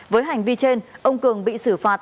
với hành vi trên ông cường bị xử phạt